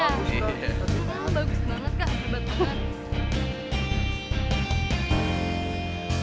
bagus banget kak